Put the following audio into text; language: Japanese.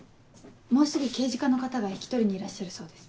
もうすぐ刑事課の方が引き取りにいらっしゃるそうです。